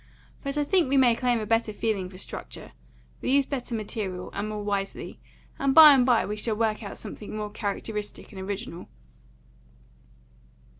But I think we may claim a better feeling for structure. We use better material, and more wisely; and by and by we shall work out something more characteristic and original."